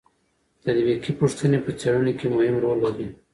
تطبیقي پوښتنې په څېړنو کې مهم رول لري.